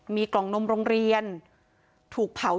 มีกล่องนมโรงเรียนถูกเผา